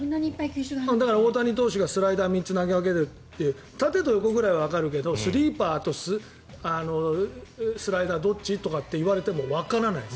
だから、大谷投手がスライダーを３つ投げ分けるって縦と横ぐらいはわかるけどスリーパーとスライダーどっち？とかって言われてもわからないです。